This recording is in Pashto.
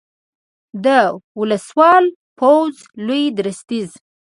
د وسلوال پوځ لوی درستیز